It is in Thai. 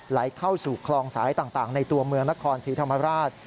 ไหลเข้าสู่คลองสายต่างในตัวเมืองนครศรีธรรมราช